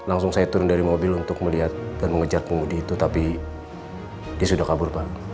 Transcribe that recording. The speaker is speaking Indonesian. aku di itu tapi dia sudah kabur pak